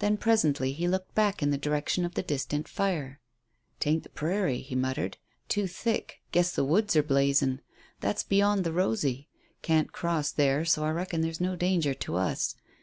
Then presently he looked back in the direction of the distant fire. "'Tain't the prairie," he muttered. "Too thick. Guess the woods are blazin'. That's beyond the Rosy. Can't cross there, so I reckon there's no danger to us.